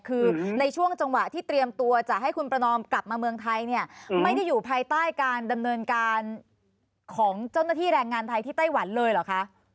คือในช่วงจังหวะที่เตรียมตัวจะให้คุณประนอมกลับมาเมืองไทยเนี่ยไม่ได้อยู่ภายใต้การดำเนินการของเจ้าหน้าที่แรงงานไทยที่ไต้หวันเลยเหรอคะ